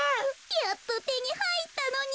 やっとてにはいったのに。